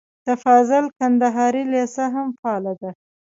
د فاضل کندهاري لېسه هم فعاله ده.